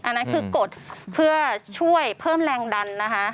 อันนั้นคือกดเพื่อช่วยเพิ่มแรงดันนะคะ